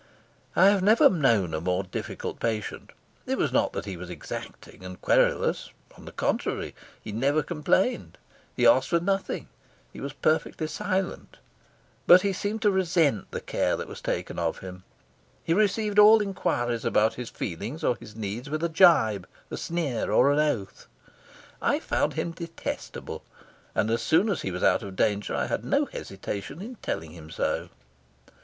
I have never known a more difficult patient. It was not that he was exacting and querulous; on the contrary, he never complained, he asked for nothing, he was perfectly silent; but he seemed to resent the care that was taken of him; he received all inquiries about his feelings or his needs with a jibe, a sneer, or an oath. I found him detestable, and as soon as he was out of danger I had no hesitation in telling him so.